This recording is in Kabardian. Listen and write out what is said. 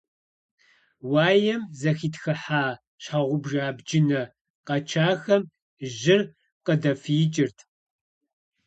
Уаем зэхитхыхьа щхьэгъубжэ абджынэ къэчахэм жьыр къыдэфиикӀырт.